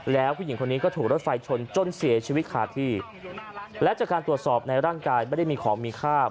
แล้วผู้หญิงคนนี้ก็ถูกรถไฟชนจนเสียชีวิตขาดที่และจากการตรวจสอบในร่างกายไม่ได้มีของมีค่า